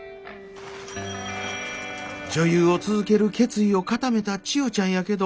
女優を続ける決意を固めた千代ちゃんやけど。